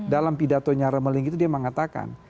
dalam pidatonya remeling itu dia mengatakan